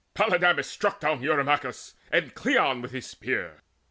Polydamas struck down Eurymachus And Cleon with his spear.